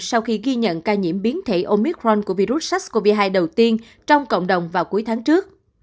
sau khi ghi nhận ca nhiễm biến thể omicron của virus sars cov hai đầu tiên trong cộng đồng vào cuối tháng trước